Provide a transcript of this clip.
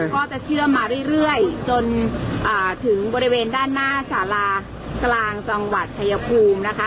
ก็จะเชื่อมมาเรื่อยจนถึงบริเวณด้านหน้าสารากลางจังหวัดชายภูมินะคะ